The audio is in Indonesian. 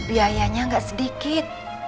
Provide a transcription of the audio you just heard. biayanya gak sedikit